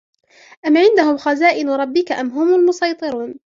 أَمْ عِندَهُمْ خَزَائِنُ رَبِّكَ أَمْ هُمُ الْمُصَيْطِرُونَ